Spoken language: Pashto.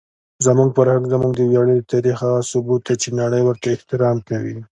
زموږ فرهنګ زموږ د ویاړلي تاریخ هغه ثبوت دی چې نړۍ ورته احترام کوي.